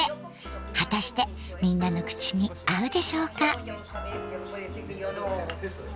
果たしてみんなの口に合うでしょうか？